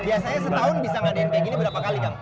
biasanya setahun bisa ngadain kayak gini berapa kali kang